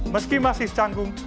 mereka juga berpengalaman